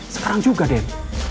sekarang juga den